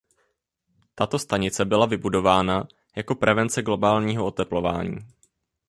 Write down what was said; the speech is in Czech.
Tato stanice byla vybudována jako prevence globálního oteplování.